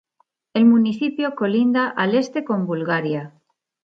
El municipio colinda al este con Bulgaria.